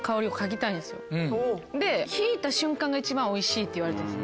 でひいた瞬間が一番おいしいっていわれてるんです。